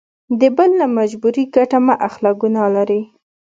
د بل له مجبوري ګټه مه اخله ګنا لري.